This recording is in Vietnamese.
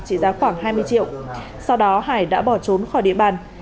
trị giá khoảng hai mươi triệu sau đó hải đã bỏ trốn khỏi địa bàn